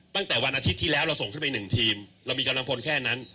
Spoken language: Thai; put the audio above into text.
ตั้งแต่วันอาทิตย์ที่แล้วเราส่งขึ้นไป๑ทีมเรามีกำลังพลแค่นั้น